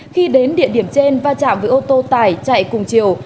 khi đến địa điểm trên va chạm với ô tô tải chạy cùng chiều